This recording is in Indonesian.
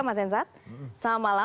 mas hensat selamat malam